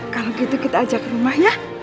kalau gitu kita ajak rumah ya